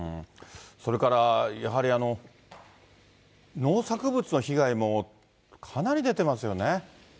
それからやはり農作物の被害もかなり出てますよね。